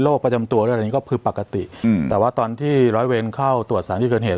โลกประจำตัวหรืออะไรก็คือปกติแต่ว่าตอนที่ร้อยเวรเข้าตรวจสารที่เกิดเหตุ